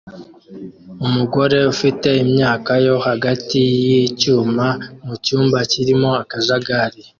Umugore ufite imyaka yo hagati yicyuma mucyumba kirimo akajagari